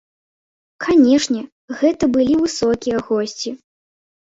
Канешне, гэта былі высокія госці.